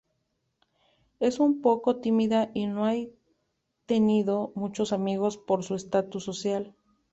Es un poco tímida y no ha tenido muchos amigos por su estatus social.